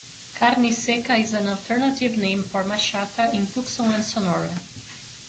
"Carne seca" is an alternative name for machaca in Tucson and Sonora.